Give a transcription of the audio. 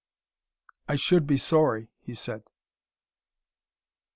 "I should be sorry," he said.